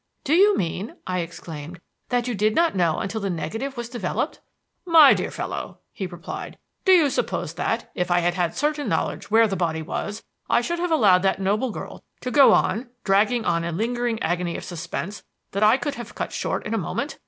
"Do you mean," I exclaimed, "that you did not know until the negative was developed?" "My dear fellow," he replied, "do you suppose that, if I had had certain knowledge where the body was, I should have allowed that noble girl to go on dragging out a lingering agony of suspense that I could have cut short in a moment?